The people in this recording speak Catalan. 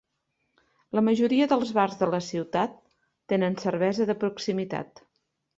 La majoria dels bars de la ciutat tenen cervesa de proximitat.